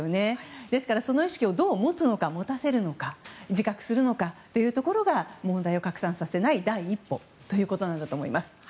ですから、その意識をどう持つのか、持たせるのか自覚するのかというところが問題を拡散させない第一歩ということなんだと思います。